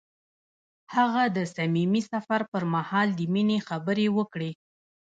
هغه د صمیمي سفر پر مهال د مینې خبرې وکړې.